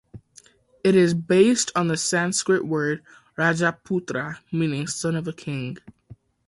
It is based on the Sanskrit word "Rajaputra" meaning son of a king.